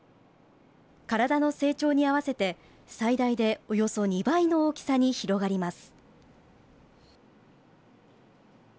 体の成長に合わせて、最大でおよそ２倍の大きさに広がります。